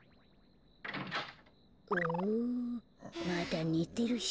まだねてるし。